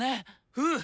うん！